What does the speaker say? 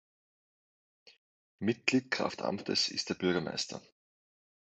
Mitglied kraft Amtes ist der Bürgermeister.